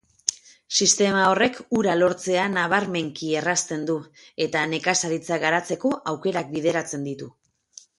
Sistema horrek ura lortzea nabarmenki errazten du eta nekazaritza garatzeko aukerak biderkatzen ditu.